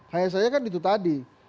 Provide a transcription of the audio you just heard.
kayak saya kan itu tadi